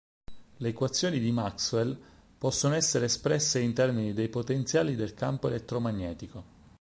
Le equazioni di Maxwell possono essere espresse in termini dei potenziali del campo elettromagnetico.